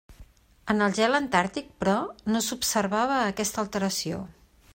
En el gel antàrtic, però, no s'observava aquesta alteració.